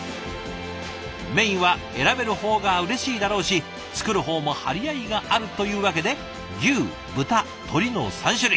メインは選べる方がうれしいだろうし作る方も張り合いがあるというわけで牛豚鶏の３種類。